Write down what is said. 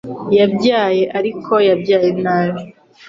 yabyaye ariko yabyaye nabi